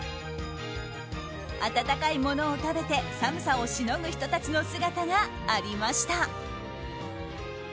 温かいものを食べて寒さをしのぐ人たちの姿がありました。